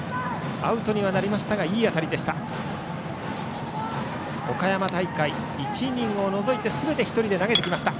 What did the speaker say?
アウトになりましたがいい当たりでした。